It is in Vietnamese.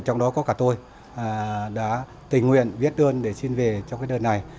trong đó có cả tôi đã tình nguyện viết đơn để xin về trong cái đơn này